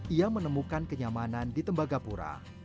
ia menemukan kenyamanan di tembagapura